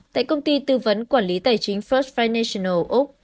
tại công ty tư vấn quản lý tài chính first financial úc